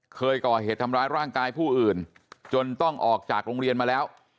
เคยก่อเหตุทำร้ายร่างกายผู้อื่นจนต้องออกจากโรงเรียนมาแล้ว